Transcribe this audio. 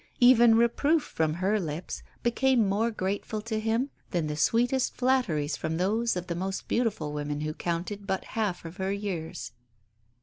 Even reproof from her lips became more grateful to him than the sweetest flatteries from those of the most beautiful woman who counted but half of her years.